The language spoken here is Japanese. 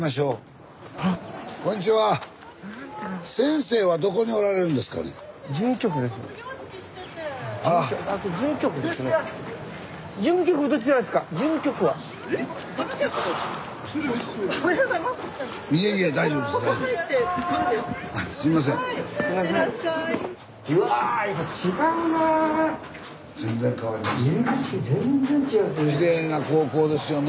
スタジオきれいな高校ですよね。